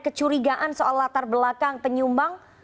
kecurigaan soal latar belakang penyumbang